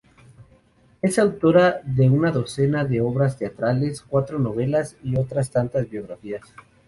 Es autora de una docena de obras teatrales, cuatro novelas y otras tantas biografías.